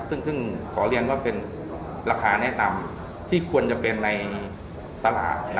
ซึ่งซึ่งขอเรียนว่าเป็นราคาแน่ตำที่ควรจะเป็นในตลาดนะครับ